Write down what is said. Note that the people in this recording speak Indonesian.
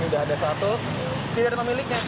ini sudah ada satu tidak ada pemiliknya